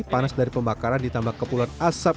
panas dari pembakaran ditambah kepulan asap